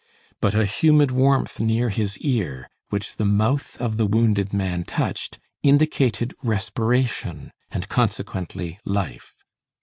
But a humid warmth near his ear, which the mouth of the wounded man touched, indicated respiration, and consequently, life.